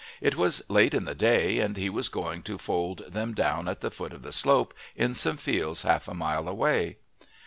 It was late in the day, and he was going to fold them down at the foot of the slope in some fields half a mile away.